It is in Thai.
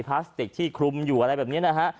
พลาสติกที่คลุมอยู่อะไรแบบนี้นะฮะ